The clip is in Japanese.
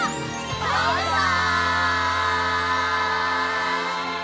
バイバイ！